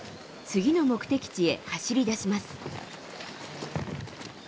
次の目的地へ走りだします。